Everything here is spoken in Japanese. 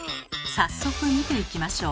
早速見ていきましょう。